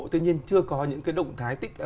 tuy nhiên chưa có những cái động thái